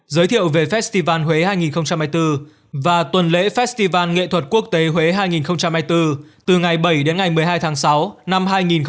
giới thiệu về festival huế hai nghìn hai mươi bốn và tuần lễ festival nghệ thuật quốc tế huế hai nghìn hai mươi bốn từ ngày bảy đến ngày một mươi hai tháng sáu năm hai nghìn hai mươi bốn